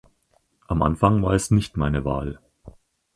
Am Anfang war es nicht meine Wahl.